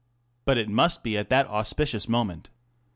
But it must be at the auspicious moment.